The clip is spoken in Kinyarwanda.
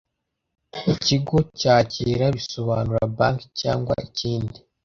ikigo cyakira bisobanura banki cyangwa ikindi